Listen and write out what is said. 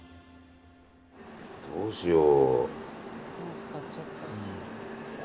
どうしよう。